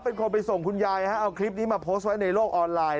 เป็นคนไปส่งคุณยายเอาคลิปนี้มาโพสต์ไว้ในโลกออนไลน์